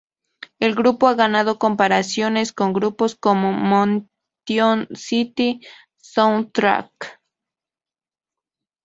El grupo ha ganado comparaciones con grupos como Motion City Soundtrack.